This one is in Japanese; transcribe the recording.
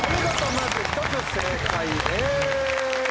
まず１つ正解です。